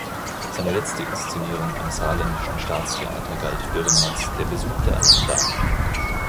Seine letzte Inszenierung am Saarländischen Staatstheater galt Dürrenmatts "Der Besuch der alten Dame".